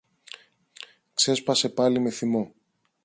ξέσπασε πάλι με θυμό.